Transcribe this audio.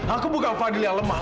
aku bukan fadil yang lemah